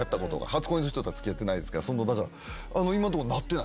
初恋の人とは付き合ってないですから。